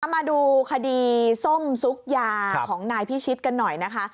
มาดูคดีส้มซุกยาของนายพิชิตกันหน่อยนะคะ